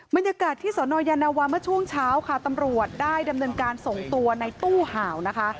บรรยากาศที่สนยานวาเมื่อช่วงเช้าค่ะตำรวจได้ดำเนินการส่งตัวในตู้ห่าวนะคะ